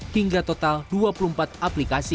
hingga total dua puluh empat aplikasi